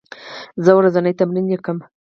زه ورځنی تمرین لیکم.